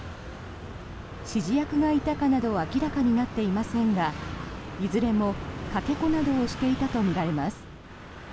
指示役がいたかなど明らかになっていませんがいずれもかけ子などをしていたとみられます。